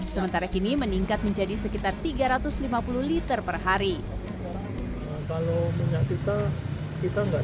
sementara kini meningkat menjadi sekitar tiga ratus lima puluh liter perhari kalau minyak kita kita nggak